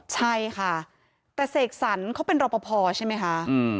ใช่ค่ะแต่เสกสรรเขาเป็นรอปภใช่ไหมคะ